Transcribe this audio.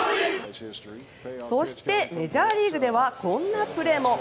そしてメジャーリーグではこんなプレーも。